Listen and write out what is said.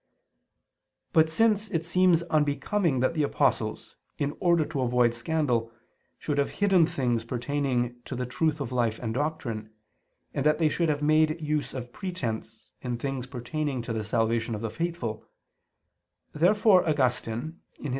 But since it seems unbecoming that the apostles, in order to avoid scandal, should have hidden things pertaining to the truth of life and doctrine, and that they should have made use of pretense, in things pertaining to the salvation of the faithful; therefore Augustine (Epist.